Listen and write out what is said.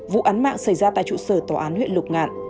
vụ án mạng xảy ra tại trụ sở tòa án huyện lục ngạn